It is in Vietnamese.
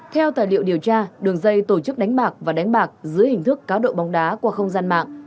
theo tài liệu điều tra đường dây tổ chức đánh bạc và đánh bạc dưới hình thức cáo độ bóng đá qua không gian mạng